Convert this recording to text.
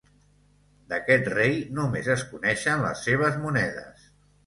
D'aquest rei només es coneixen les seves monedes.